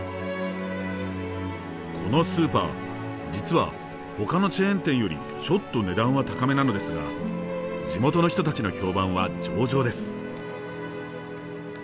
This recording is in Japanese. このスーパー実はほかのチェーン店よりちょっと値段は高めなのですが地元の人たちの評判は上々です。